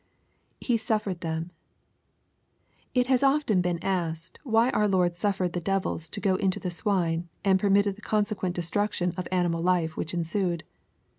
[He suffered the/nL] It has often been asked, why our Lord suffered the devils to go into the swine, and permitted the conse quent destruction of animal life which ensued.